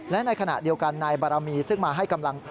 และในขณะเดียวกันนายบารมีซึ่งมาให้กำลัง